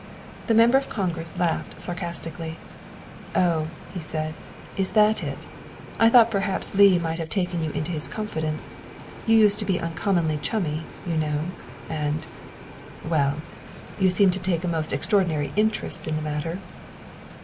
The Member of Congress laughed sarcastically. " Oh," he said, " is that it? I thought perhaps Leigh might have taken you into his confidence, you used to be uncommonly chummy, you know, and well, you seem to take a most extraordinary interest in the matter.